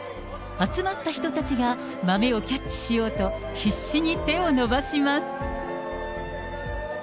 集まった人たちが豆をキャッチしようと、必死に手を伸ばします。